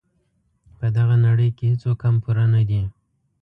په دغه نړۍ کې هیڅوک هم پوره نه دي.